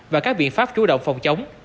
và các biện pháp chủ động phòng khám